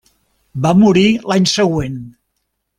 Va morir l'any següent.